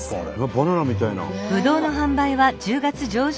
バナナみたいな。